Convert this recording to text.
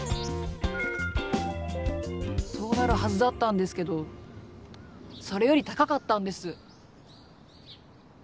そうなるはずだったんですけどそれより高かったんです。